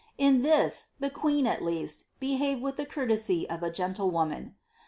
In this, the queen, at least, behaved with the courtesy of a gentlewoman.